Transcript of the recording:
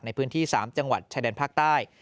ในพื้นที่๓จังหวัดชายแดนภาคใต้